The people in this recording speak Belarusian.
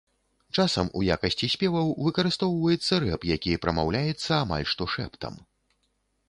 Часам у якасці спеваў выкарыстоўваецца рэп, які прамаўляецца амаль што шэптам.